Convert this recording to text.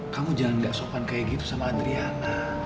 kamu jangan gak sopan kayak gitu sama adriana